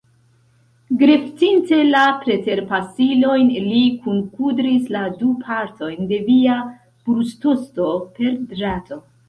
Greftinte la preterpasilojn, li kunkudris la du partojn de via brustosto per drato.